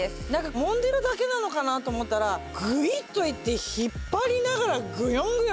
もんでるだけなのかなと思ったらぐいっといって引っ張りながらぐよん